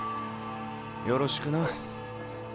よろしくな。